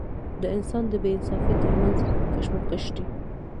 د انسان د بې انصافۍ تر منځ کشمکش دی.